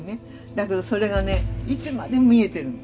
だけどそれがねいつまでも見えてるの。